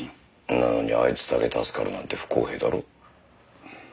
なのにあいつだけ助かるなんて不公平だろ？